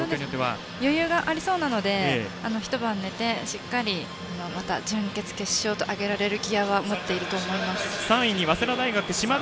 余裕がありそうなのでひと晩、寝てしっかりまた、準決勝、決勝と上げられるギヤは持っていると思います。